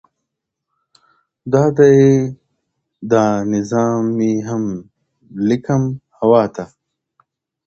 دا دی دا نظم مې هم لیکم هوا ته